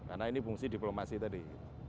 karena ini fungsi diplomasi tadi